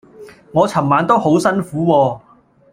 我尋晚都好辛苦喎